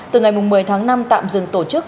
từ ngày một mươi tháng năm tạm dừng tổ chức